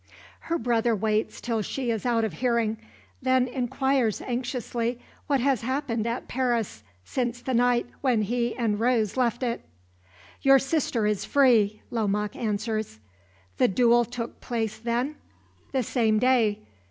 Her brother waits till she is out of hearing, then inquires anxiously what has happened at Paris since the night when he and Rose left it. "Your sister is free," Lomaque answers. "The duel took place, then?" "The same day.